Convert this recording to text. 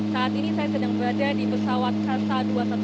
saat ini saya sedang berada di pesawat kasa dua ratus dua belas